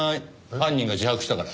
犯人が自白したから。